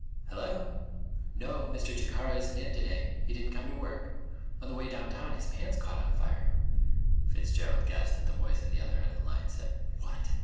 "Hello.... No, Mr. Jacaro isn't in today. He didn't come to work. On the way downtown his pants caught on fire " Fitzgerald guessed that the voice at the other end of the line said "_What?